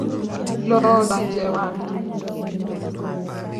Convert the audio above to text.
Loo odonje wanga.